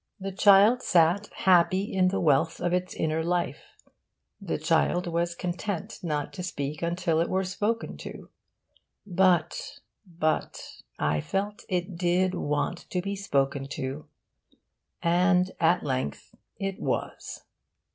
The child sat happy in the wealth of its inner life; the child was content not to speak until it were spoken to; but, but, I felt it did want to be spoken to. And, at length, it was.